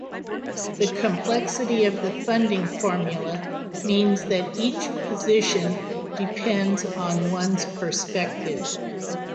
The complexity of the funding formula means that each position depends on one's perspective.